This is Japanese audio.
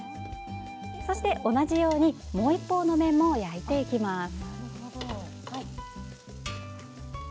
そして、同じようにもう一方の面も焼いていきます。